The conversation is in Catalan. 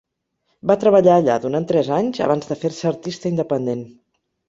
Va treballar allà durant tres anys abans de fer-se artista independent.